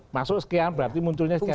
masuk sekian berarti munculnya sekian